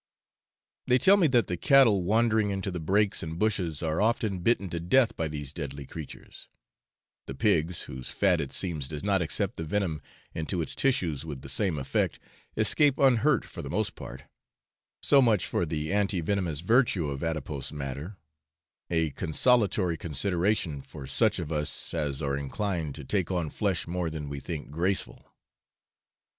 They tell me that the cattle wandering into the brakes and bushes are often bitten to death by these deadly creatures; the pigs, whose fat it seems does not accept the venom into its tissues with the same effect, escape unhurt for the most part so much for the anti venomous virtue of adipose matter a consolatory consideration for such of us as are inclined to take on flesh more than we think graceful.